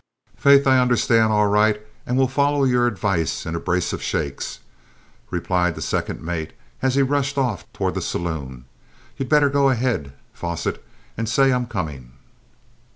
"Faith, I understand all right and will follow your advice in a brace of shakes," replied the second mate, as he rushed off towards the saloon. "You'd better go on ahead, Fosset, and say I'm coming!"